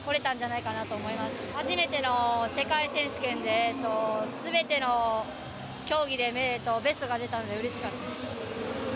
初めての世界選手権で全ての競技でベストが出たのでうれしかったです。